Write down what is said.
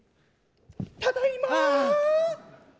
ただいま！